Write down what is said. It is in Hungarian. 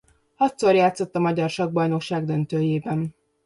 Hatszor játszott a magyar sakkbajnokság döntőjében.